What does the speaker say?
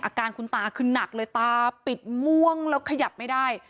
อาการคุณตาคือหนักเลยตาปิดม่วงแล้วขยับไม่ได้